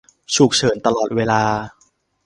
ฉุกเฉินตลอดเวลา